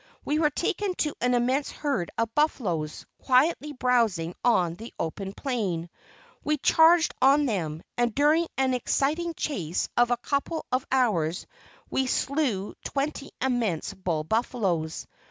We were taken to an immense herd of buffaloes, quietly browsing on the open plain. We charged on them, and during an exciting chase of a couple of hours, we slew twenty immense bull buffaloes.